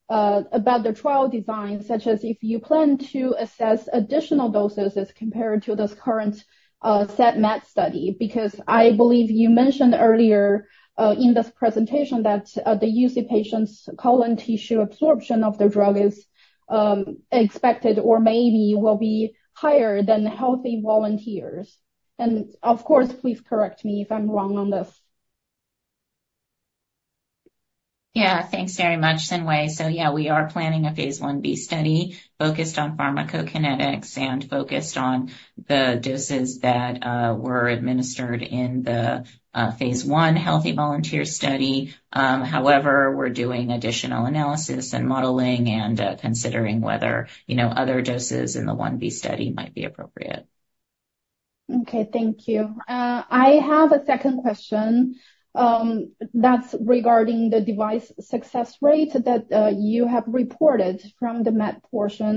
G: about the trial design, such as if you plan to assess additional doses as compared to this current scMET study. Because I believe you mentioned earlier in this presentation that the UC patients' colon tissue absorption of the drug is expected or maybe will be higher than healthy volunteers. And of course, please correct me if I'm wrong on this.
B: Yeah. Thanks very much, Xinwei. So yeah, we are planning a phase IB study focused on pharmacokinetics and focused on the doses that were administered in the phase I healthy volunteer study. However, we're doing additional analysis and modeling and considering whether, you know, other doses in the 1B study might be appropriate.
G: Okay, thank you. I have a second question that's regarding the device success rate that you have reported from the MET portion.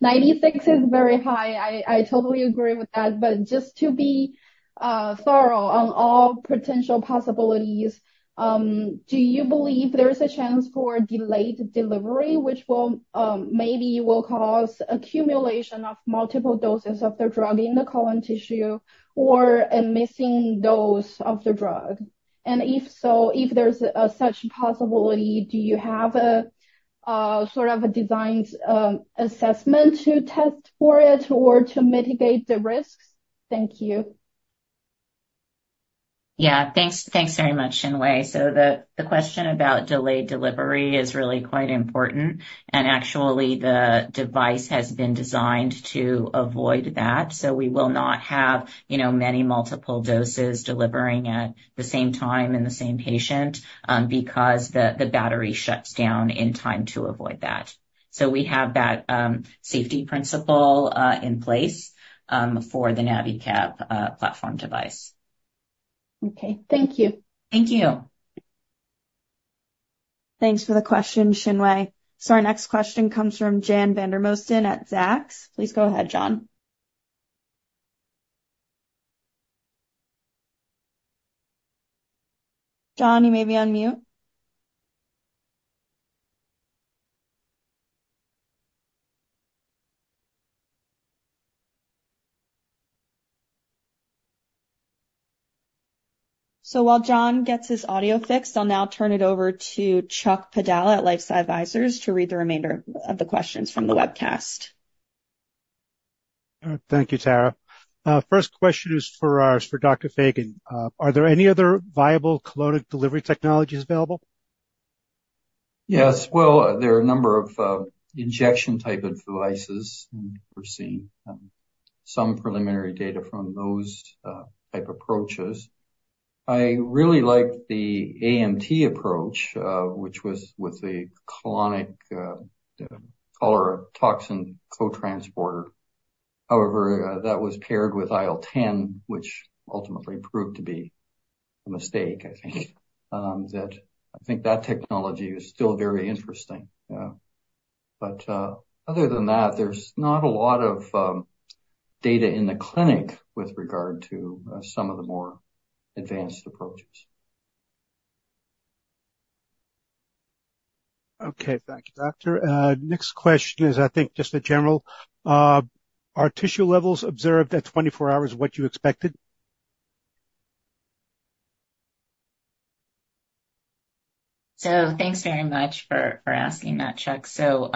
G: 96 is very high. I totally agree with that. But just to be thorough on all potential possibilities, do you believe there is a chance for delayed delivery, which will maybe will cause accumulation of multiple doses of the drug in the colon tissue or a missing dose of the drug? And if so, if there's such possibility, do you have a sort of a designed assessment to test for it or to mitigate the risks? Thank you.
B: Yeah, thanks. Thanks very much, Xinwei. So the question about delayed delivery is really quite important, and actually, the device has been designed to avoid that. So we will not have, you know, many multiple doses delivering at the same time in the same patient, because the battery shuts down in time to avoid that. So we have that safety principle in place for the NaviCap platform device.
G: Okay, thank you.
B: Thank you.
A: Thanks for the question, Xinwei. So our next question comes from John Vandermosten at Zacks. Please go ahead, John. John, you may be on mute. So while John gets his audio fixed, I'll now turn it over to Charles Padala at LifeSci Advisors to read the remainder of the questions from the webcast.
H: All right. Thank you, Taryn. First question is for Dr. Feagan. Are there any other viable colonic delivery technologies available?
D: Yes. Well, there are a number of injection-type of devices, and we're seeing some preliminary data from those type approaches. I really like the AMT approach, which was with the colonic cholera toxin co-transporter. However, that was paired with IL-10, which ultimately proved to be a mistake, I think. That I think that technology is still very interesting, yeah. But other than that, there's not a lot of data in the clinic with regard to some of the more advanced approaches.
H: Okay. Thank you, Doctor. Next question is, I think, just a general. Are tissue levels observed at 24 hours what you expected?
B: So thanks very much for asking that, Charles. So,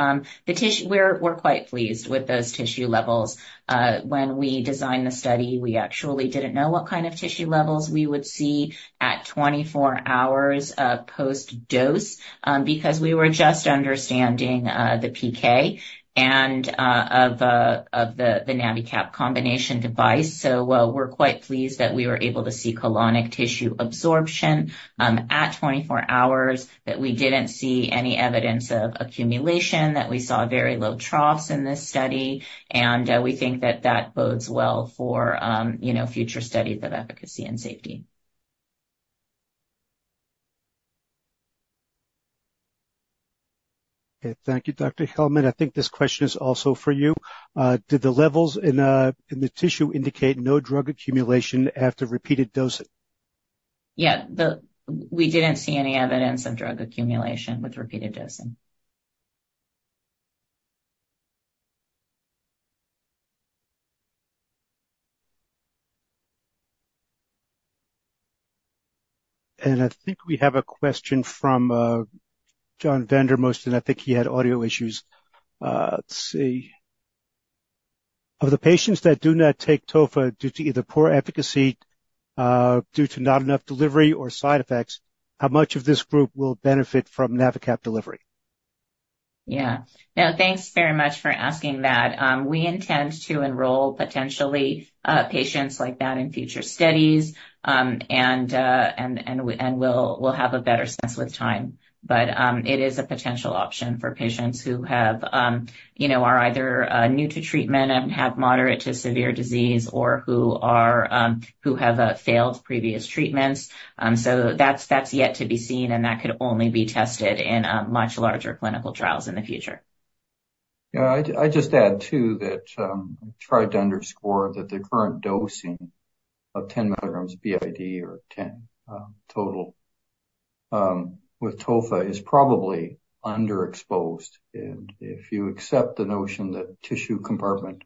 B: the tissue, we're quite pleased with those tissue levels. When we designed the study, we actually didn't know what kind of tissue levels we would see 24 hours post-dose, because we were just understanding the PK of the NaviCap combination device. So while we're quite pleased that we were able to see colonic tissue absorption at 24 hours, that we didn't see any evidence of accumulation, that we saw very low troughs in this study, and we think that that bodes well for, you know, future studies of efficacy and safety.
H: Okay. Thank you, Dr. Kelman. I think this question is also for you. Did the levels in the tissue indicate no drug accumulation after repeated dosing?
B: Yeah, we didn't see any evidence of drug accumulation with repeated dosing.
H: I think we have a question from John Vandermosten. I think he had audio issues. Let's see. Of the patients that do not take tofa due to either poor efficacy, due to not enough delivery, or side effects, how much of this group will benefit from NaviCap delivery?
B: Yeah. Now, thanks very much for asking that. We intend to enroll, potentially, patients like that in future studies. And we'll have a better sense with time. But, it is a potential option for patients who have, you know, are either new to treatment and have moderate to severe disease, or who have failed previous treatments. So that's yet to be seen, and that could only be tested in a much larger clinical trials in the future.
D: Yeah, I'd just add, too, that I tried to underscore that the current dosing of 10 milligrams BID or 10 total with tofa is probably underexposed. And if you accept the notion that tissue compartment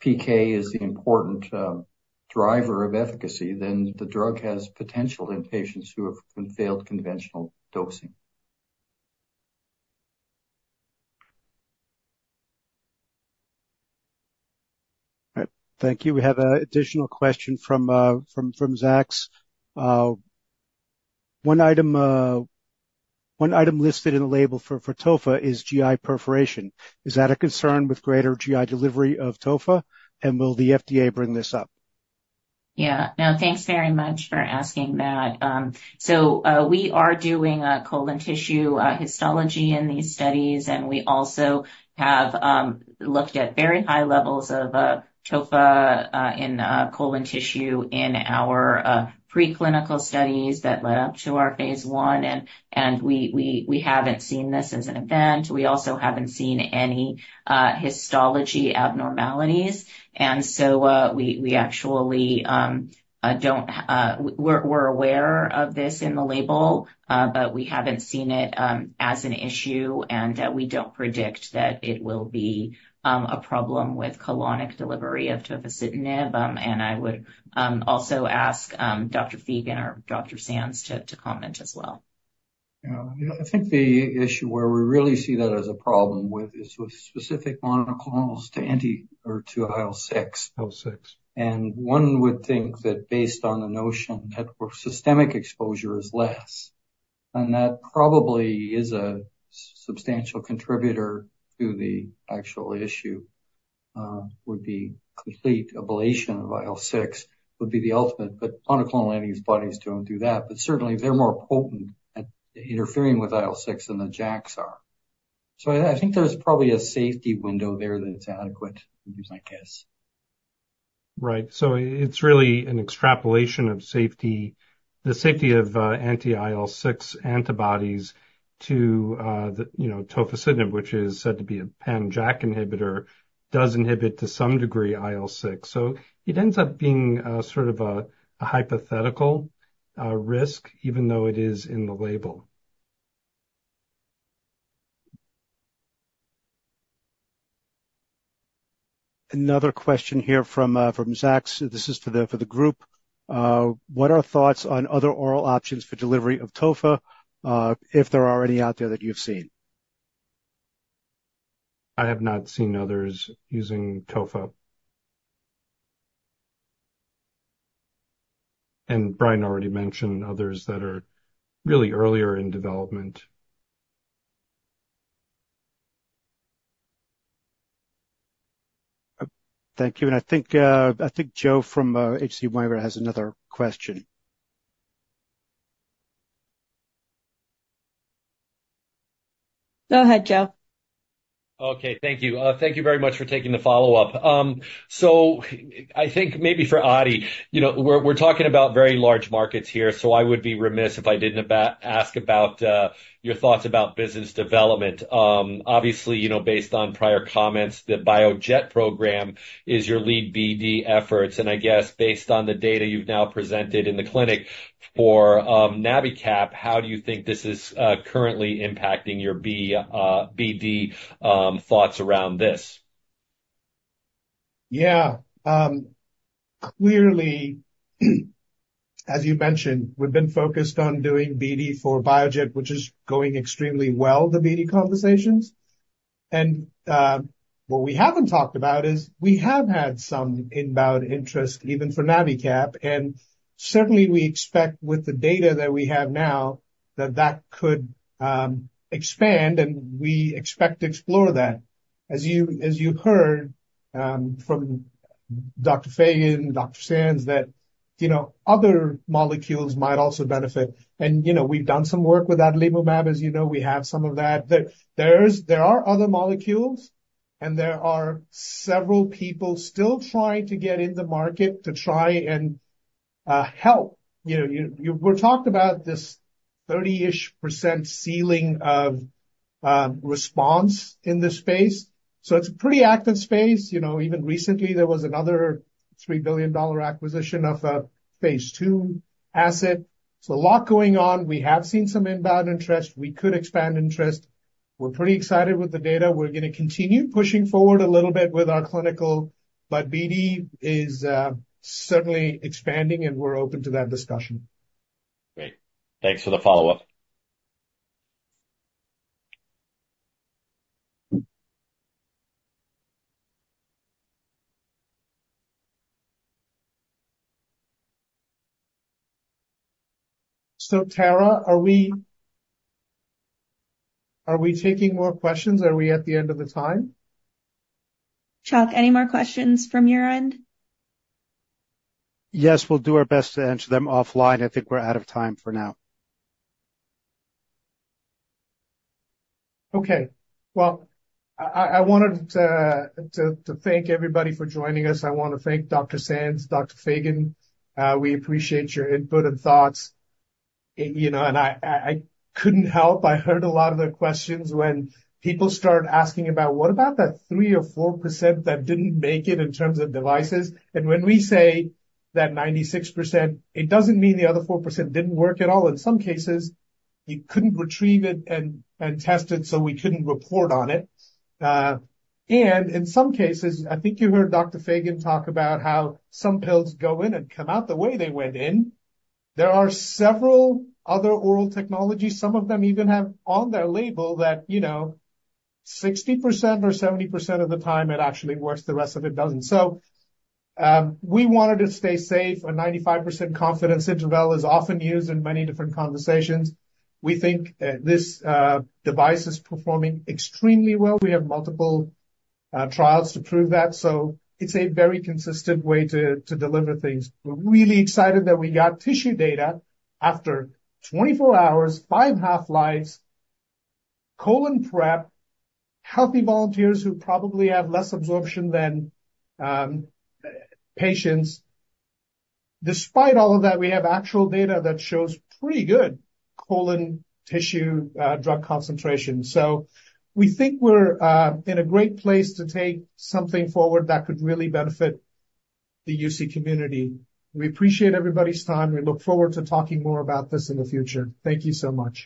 D: PK is the important driver of efficacy, then the drug has potential in patients who have failed conventional dosing.
H: All right. Thank you. We have an additional question from Zacks. One item listed in the label for tofa is GI perforation. Is that a concern with greater GI delivery of tofa, and will the FDA bring this up?
B: Yeah. Now, thanks very much for asking that. So, we are doing a colon tissue histology in these studies, and we also have looked at very high levels of tofa in colon tissue in our preclinical studies that led up to our phase I. And we haven't seen this as an event. We also haven't seen any histology abnormalities, and so we actually don't... We're aware of this in the label, but we haven't seen it as an issue, and we don't predict that it will be a problem with colonic delivery of tofacitinib. And I would also ask Dr. Feagan or Dr. Sands to comment as well.
D: Yeah. I think the issue where we really see that as a problem with is with specific monoclonals to anti-TNF or to IL-6.
C: IL-6.
D: One would think that, based on the notion that where systemic exposure is less, and that probably is a substantial contributor to the actual issue, would be complete ablation of IL-6 would be the ultimate. But monoclonal antibodies don't do that. But certainly, they're more potent at interfering with IL-6 than the JAKs are. So I, I think there's probably a safety window there that's adequate, I guess.
C: Right. So it's really an extrapolation of safety. The safety of anti-IL-6 antibodies, to the, you know, tofacitinib, which is said to be a pan-JAK inhibitor, does inhibit to some degree, IL-6. So it ends up being sort of a hypothetical risk, even though it is in the label.
H: Another question here from Zacks. This is for the group. What are thoughts on other oral options for delivery of tofa, if there are any out there that you've seen?
C: I have not seen others using tofa. Brian already mentioned others that are really earlier in development.
H: Thank you. And I think, I think Joe from H.C. Wainwright has another question.
C: Go ahead, Joe.
F: Okay, thank you. Thank you very much for taking the follow-up. So I think maybe for Adi, you know, we're, we're talking about very large markets here, so I would be remiss if I didn't ask about your thoughts about business development. Obviously, you know, based on prior comments, the BioJet program is your lead BD efforts, and I guess based on the data you've now presented in the clinic for NaviCap, how do you think this is currently impacting your BD thoughts around this?
E: Yeah. Clearly, as you mentioned, we've been focused on doing BD for BioJet, which is going extremely well, the BD conversations. What we haven't talked about is we have had some inbound interest, even for NaviCap, and certainly, we expect with the data that we have now, that that could expand, and we expect to explore that. As you heard from Dr. Feagan, Dr. Sands, that, you know, other molecules might also benefit. And, you know, we've done some work with adalimumab. As you know, we have some of that. There are other molecules, and there are several people still trying to get in the market to try and help. You know, we've talked about this 30-ish% ceiling of response in this space, so it's a pretty active space. You know, even recently, there was another $3 billion acquisition of a phase II asset, so a lot going on. We have seen some inbound interest. We could expand interest. We're pretty excited with the data. We're gonna continue pushing forward a little bit with our clinical, but BD is certainly expanding, and we're open to that discussion.
F: Great. Thanks for the follow-up.
E: So, Taryn, are we, are we taking more questions? Are we at the end of the time?
A: Charles, any more questions from your end?
H: Yes, we'll do our best to answer them offline. I think we're out of time for now.
E: Okay. Well, I wanted to thank everybody for joining us. I want to thank Dr. Sands, Dr. Feagan. We appreciate your input and thoughts. You know, and I couldn't help. I heard a lot of the questions when people started asking about what about that 3% or 4% that didn't make it in terms of devices? And when we say that 96%, it doesn't mean the other 4% didn't work at all. In some cases, you couldn't retrieve it and test it, so we couldn't report on it. And in some cases, I think you heard Dr. Feagan talk about how some pills go in and come out the way they went in. There are several other oral technologies, some of them even have on their label that, you know, 60% or 70% of the time it actually works, the rest of it doesn't. So, we wanted to stay safe, a 95% confidence interval is often used in many different conversations. We think this device is performing extremely well. We have multiple trials to prove that, so it's a very consistent way to deliver things. We're really excited that we got tissue data after 24 hours, five half-lives, colon prep, healthy volunteers who probably have less absorption than patients. Despite all of that, we have actual data that shows pretty good colon tissue drug concentration. So we think we're in a great place to take something forward that could really benefit the UC community. We appreciate everybody's time. We look forward to talking more about this in the future. Thank you so much.